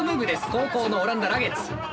後攻のオランダラゲッズ。